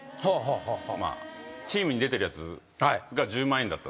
チームに出てるやつが１０万円だったんですよ。